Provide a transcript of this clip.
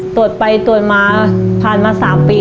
ตรวจไปตรวจมาผ่านมา๓ปี